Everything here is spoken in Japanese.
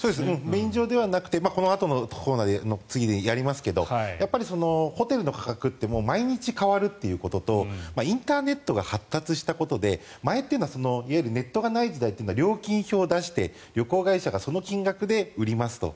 便乗ではなくて次やりますがホテルの価格って毎日変わるということとインターネットが発達したことで前はネットがない時代は料金表を出して旅行会社がその金額で売りますと。